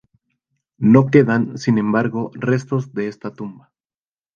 No quedan, sin embargo, restos de esta tumba.